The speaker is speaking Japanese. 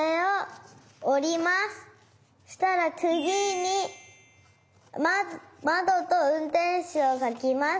したらつぎにまどとうんてんしゅをかきます。